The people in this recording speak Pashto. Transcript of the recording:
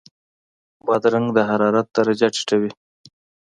بادرنګ د حرارت درجه ټیټوي.